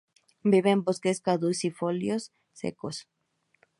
Vive en bosques caducifolios secos.